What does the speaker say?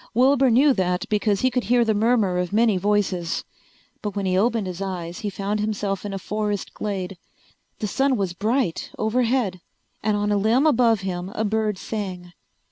Wilbur knew that because he could hear the murmur of many voices. But when he opened his eyes he found himself in a forest glade. The sun was bright overhead and on a limb above him a bird sang.